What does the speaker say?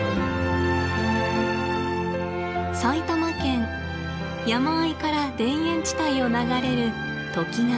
埼玉県山あいから田園地帯を流れる都幾川。